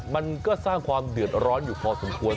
มันก็สร้างความเดือดร้อนอยู่พอสมควร